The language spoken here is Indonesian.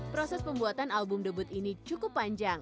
proses pembuatan album debut ini cukup panjang